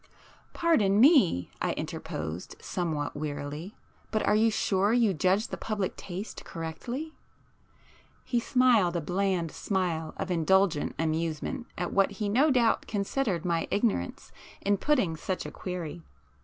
"Pardon me," I interposed somewhat wearily—"but are you sure you judge the public taste correctly?" He smiled a bland smile of indulgent amusement at what he no doubt considered my ignorance in putting such a query.